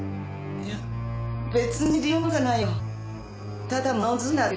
いや別に理由なんかないよ。